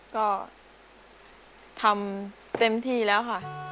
ก็ทำเต็มที่แล้วค่ะ